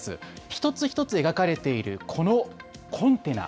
一つ一つ描かれているこのコンテナ。